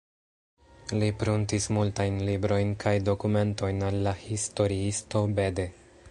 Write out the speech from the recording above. Li pruntis multajn librojn kaj dokumentojn al la historiisto Bede.